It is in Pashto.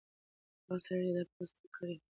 هغه سړی چې دا پوسټ یې کړی ډېر مینه ناک دی.